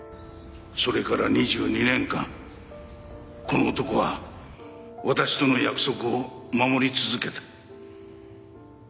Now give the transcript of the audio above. それから２２年間この男は私との約束を守り続けた。